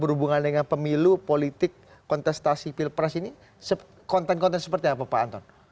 berhubungan dengan pemilu politik kontestasi pilpres ini konten konten seperti apa pak anton